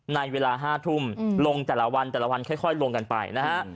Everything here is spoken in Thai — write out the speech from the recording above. ในเวลา๕ทุ่มลงแต่ละวันแต่ละวันค่อยลงกันไปนะฮะ